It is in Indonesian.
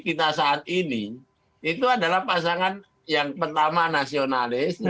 kita saat ini itu adalah pasangan pasangan yang berpengaruh dengan republik indonesia dan